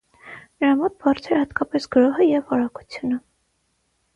Նրա մոտ բարձր է հատկապես գրոհը և արագությունը։